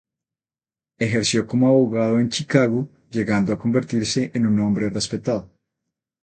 Ejerció como abogado en Chicago, llegando a convertirse en un hombre respetado.